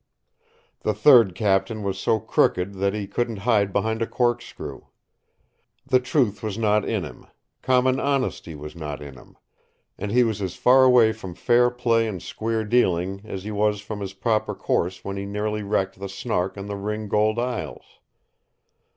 The third captain was so crooked that he couldn't hide behind a corkscrew. The truth was not in him, common honesty was not in him, and he was as far away from fair play and square dealing as he was from his proper course when he nearly wrecked the Snark on the Ring gold Isles.